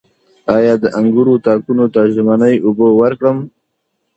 آیا د انګورو تاکونو ته ژمنۍ اوبه ورکړم؟